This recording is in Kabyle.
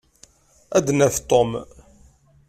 Ad d-naf Tom.